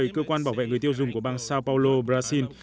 cơ quan bảo vệ người tiêu dùng của ban sao paulo brazil